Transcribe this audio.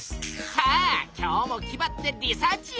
さあ今日も気ばってリサーチや！